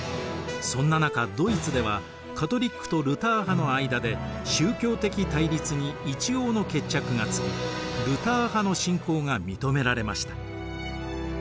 そんな中ドイツではカトリックとルター派の間で宗教的対立に一応の決着がつきルター派の信仰が認められました。